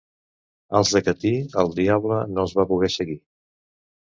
Als de Catí, el diable no els va poder seguir.